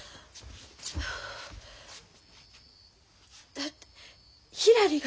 だってひらりが。